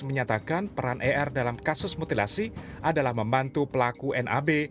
menyatakan peran er dalam kasus mutilasi adalah membantu pelaku nab